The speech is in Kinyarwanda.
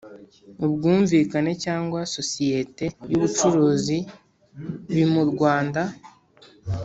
ubwumvikane cyangwa sosiyete y ubucuruzi bimurwanda